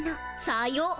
さよう。